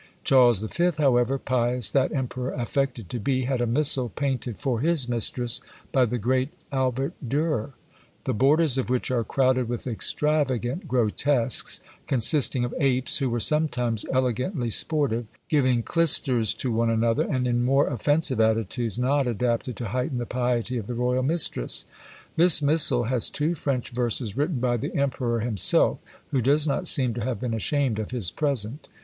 Charles V., however pious that emperor affected to be, had a missal painted for his mistress by the great Albert Durer, the borders of which are crowded with extravagant grotesques, consisting of apes, who were sometimes elegantly sportive, giving clysters to one another, and in more offensive attitudes, not adapted to heighten the piety of the Royal Mistress. This missal has two French verses written by the Emperor himself, who does not seem to have been ashamed of his present.